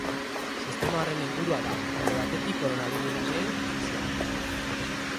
Sistema horren helburua da, alde batetik, koronabirusaren krisian.